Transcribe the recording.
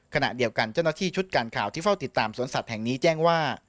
ขณะเดียวกันเจ้าหน้าที่ชุดการข่าวที่เฝ้าติดตามสวนสัตว์แห่งนี้แจ้งว่า